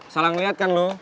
salah ngeliat kan lu